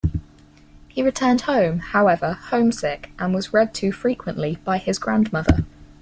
He returned home, however, homesick, and was read to frequently by his grandmother.